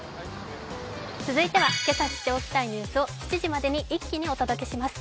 続いては今朝知っておきたいニュースを７時までに一気にお伝えします。